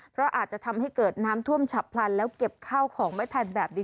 เพราะอาจจะทำให้เกิดน้ำท่วมฉับพลันแล้วเก็บข้าวของไม่ทันแบบนี้